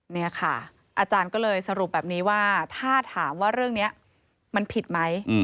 นี่ค่ะอาจารย์ก็เลยสรุปแบบนี้ว่าถ้าถามว่าเรื่องนี้มันผิดไหม